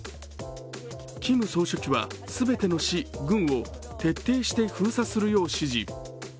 キム総書記は、全ての市・郡を徹底して封鎖するよう指示。